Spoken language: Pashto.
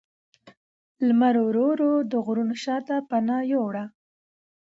لمر ورو ورو د غرونو شا ته پناه یووړه